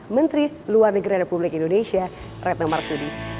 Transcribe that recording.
menteri luar negeri republik indonesia retno marsudi